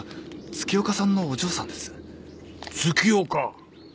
月岡。